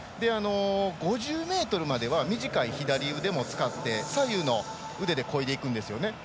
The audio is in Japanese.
５０ｍまでは短い左腕も使って左右の腕でこいでいくんですね。